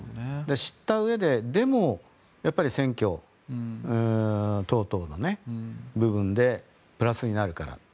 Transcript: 知ったうえででも、選挙等々の部分でプラスになるから。